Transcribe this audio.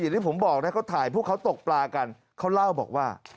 ที่ผมบอกนะเขาถ่ายพวกเขาตกปลากันเขาเล่าบอกว่า